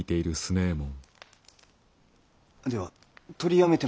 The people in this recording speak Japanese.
では取りやめても。